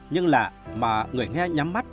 nhưng lạ mà người nghe nhắm mắt